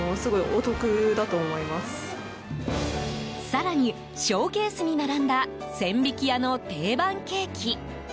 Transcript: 更に、ショーケースに並んだ千疋屋の定番ケーキ。